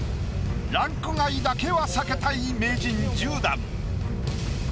ランク外だけは避けたい名人１０段。